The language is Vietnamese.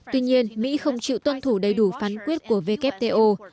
tuy nhiên mỹ không chịu tuân thủ đầy đủ phán quyết của wto